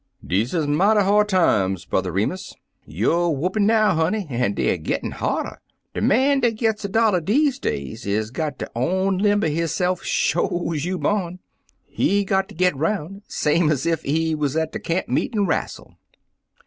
"Dese is mighty hard times, Brer Re mus/' "You'erwhoopin* now, honey; an' deyer gittin' harder. De man dat gits er dollar dese days is got ter onlimber hisse% sho's you bawn. He's got ter git 'roxm* same ez cf he wuz at er camp meetin' rastle."